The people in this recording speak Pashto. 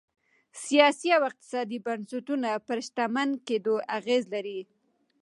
سیاسي او اقتصادي بنسټونه پر شتمن کېدو اغېز لري.